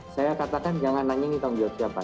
saya katakan jangan nanya ini tanggung jawab siapa